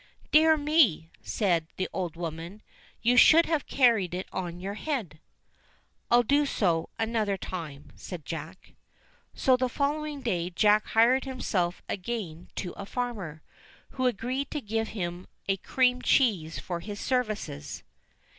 "Dear me!" said the old woman; "you should have J carried it on your head." \ "I'll do so another time," said Jack. So the following day, Jack hired himself again to a farmer, who agreed to give him a cream cheese for his services.